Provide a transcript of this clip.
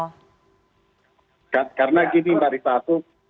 untuk bisa merehabilitasi nama baiknya bung karno